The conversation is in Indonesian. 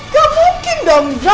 gak mungkin dong dok